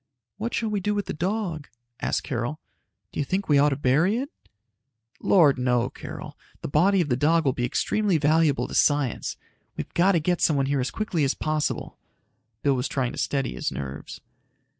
"What shall we do with the dog?" asked Carol. "Do you think we ought to bury it?" "Lord no, Carol. The body of the dog will be extremely valuable to science. We've got to get someone here as quickly as possible." Bill was trying to steady his nerves.